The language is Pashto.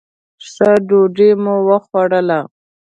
ښه ډوډۍ مو وخوړله.